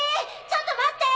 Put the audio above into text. ちょっと待って！